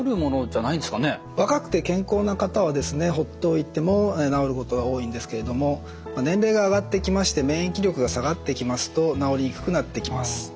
若くて健康な方はほっといても治ることが多いんですけれども年齢が上がっていきまして免疫力が下がっていきますと治りにくくなってきます。